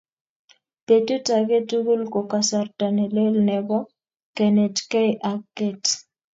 Petut age tugul ko kasarta nelel nebo kenetkei ak keet